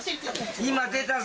今出たぞ。